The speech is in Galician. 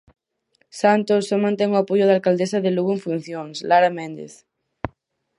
Santos só mantén o apoio da alcaldesa de Lugo en funcións, Lara Méndez.